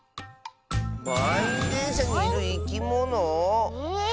まんいんでんしゃにいるいきもの？え？